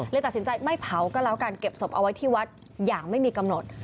ตัดสินใจไม่เผาก็แล้วกันเก็บศพเอาไว้ที่วัดอย่างไม่มีกำหนด